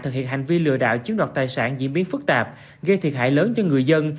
thực hiện hành vi lừa đảo chiếm đoạt tài sản diễn biến phức tạp gây thiệt hại lớn cho người dân